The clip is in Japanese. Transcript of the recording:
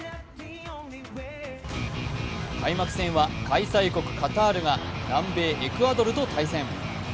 開幕戦は開催国カタールが南米エクアドルと対戦。